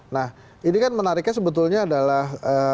nah ini kan menariknya sebetulnya adalah